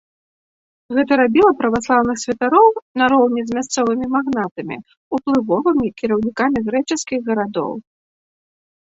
Гэта рабіла праваслаўных святароў, нароўні з мясцовымі магнатамі, уплывовымі кіраўнікамі грэчаскіх гарадоў.